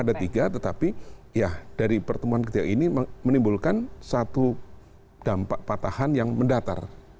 ada tiga tetapi ya dari pertemuan ketiga ini menimbulkan satu dampak patahan yang mendatar